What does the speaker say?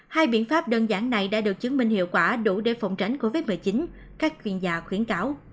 hai biện pháp đơn giản này đã được chứng minh hiệu quả đủ để phòng tránh covid một mươi chín các chuyên gia khuyến cáo